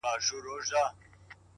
• ویل راسه پر لېوه پوښتنه وکه,